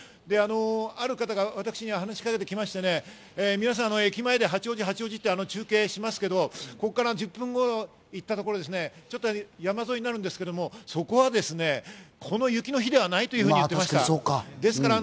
ある方が私に話し掛けて来ましてね、皆さん、駅前で八王子、八王子って中継しますけど、ここから１０分ほど行ったところ、山沿いになるんですけど、そこはですね、この雪の日ではないと言う話でした。